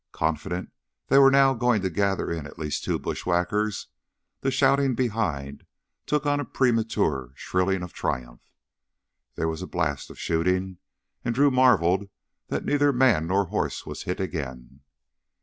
Confident they were now going to gather in at least two bushwhackers, the shouting behind took on a premature shrilling of triumph. There was a blast of shooting, and Drew marveled that neither man nor horse was hit again.